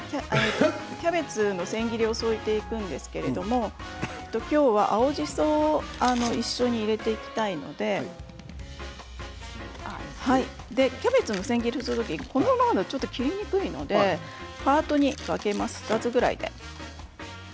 キャベツの千切りを添えていくんですけれども今日は青じそ一緒に入れていきたいのでキャベツの千切りをする時このままだと切りにくいのでパートに分けます、２つぐらいで。